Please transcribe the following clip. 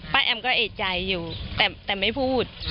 แอมก็เอกใจอยู่แต่ไม่พูด